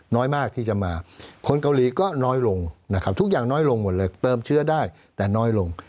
น้อยมากที่จะมาคนเกาหลีก็น้อยลงนะครับทุกอย่างน้อยลงหมดเลยเติมเชื้อได้แต่น้อยลง